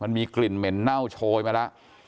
มันมีกลิ่นเหม็นเน่าโชยมาแล้ว